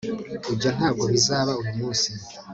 ibyo ntabwo bizaba uyu munsi